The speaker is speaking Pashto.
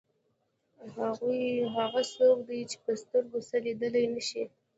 هغه څوک دی چې په سترګو څه لیدلی نه شي.